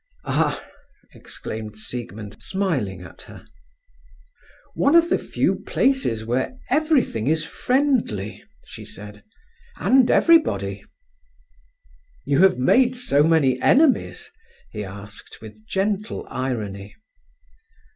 "Ah!" exclaimed Siegmund, smiling at her. "One of the few places where everything is friendly," she said. "And everybody." "You have made so many enemies?" he asked, with gentle irony.